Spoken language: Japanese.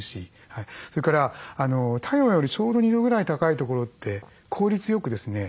それから体温よりちょうど２度ぐらい高いところって効率よくですね